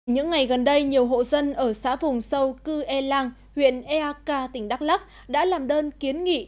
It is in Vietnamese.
những ngày gần đây nhiều hộ dân ở xã vùng sâu cư e lang huyện eak tỉnh đắk lắc đã làm đơn kiến nghị